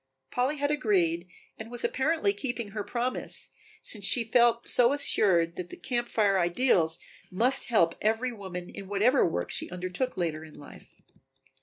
Polly had agreed and was apparently keeping her promise, since she felt so assured that the Camp Fire ideals must help every woman in whatever work she undertook later in life.